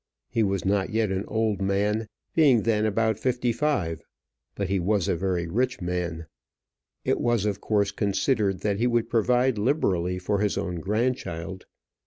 He was not yet an old man, being then about fifty five; but he was a very rich man. It was of course considered that he would provide liberally for his grandchild.